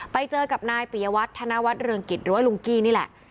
ไปเจอกับนายปิยวัฒนวัฒนเรืองกิจหรือว่าลุงกี้นี่แหละ